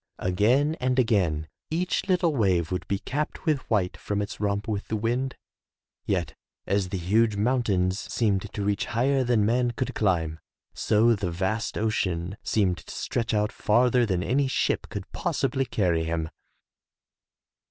Again and again, each little wave would be capped with white from its romp with the wind. Yet, as the huge moun tains seemed to reach higher than man could climb, so the vast ocean seemed to stretch out farther than any ship could possibly 38 THROUGH FAIRY HALLS carry him.